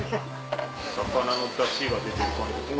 魚のダシが出てる感じですか？